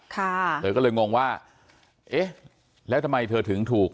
เธอก็เลยงงว่าเอ๊ะแล้วทำไมเธอถึงถูก